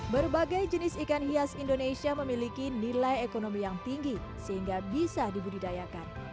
berbagai jenis ikan hias indonesia memiliki nilai ekonomi yang tinggi sehingga bisa dibudidayakan